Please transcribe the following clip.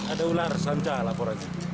ada ular sanca laporan